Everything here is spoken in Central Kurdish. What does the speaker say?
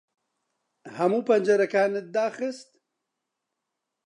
ھەموو پەنجەرەکانت داخست؟